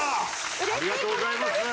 ありがとうございます。